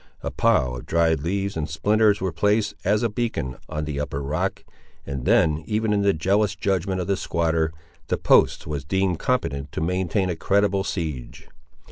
A pile of dried leaves and splinters were placed, as a beacon, on the upper rock, and then, even in the jealous judgment of the squatter, the post was deemed competent to maintain a creditable siege.